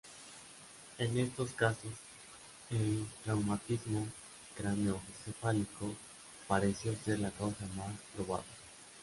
En estos casos, el traumatismo craneoencefálico pareció ser la causa más probable.